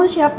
masuk lu apa